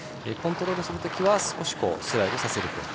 コントロールするときは少しスライドさせる。